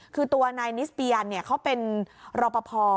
คือตัวนายนิสเปียันเขาเป็นรอปภ